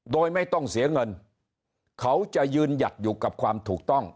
โดยไม่ต้องเสียเงินเขาจะยืนหยัดอยู่กับความถูกต้อง